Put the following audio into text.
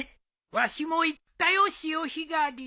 わしも行ったよ潮干狩り。